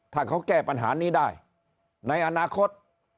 ถ้าเขาแก้ปัญหานี้ได้ในอนาคต